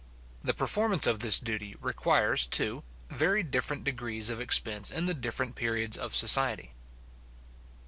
The performance of this duty requires, too, very different degrees of expense in the different periods of society.